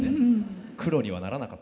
黒にはならなかった。